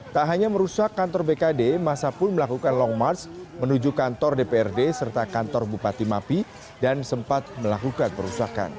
tak hanya merusak kantor bkd masa pun melakukan long march menuju kantor dprd serta kantor bupati mapi dan sempat melakukan perusakan